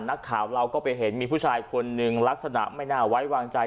นักข่าวเราก็ไปเห็นมีผู้ชายคนหนึ่งลักษณะไม่น่าไว้วางใจ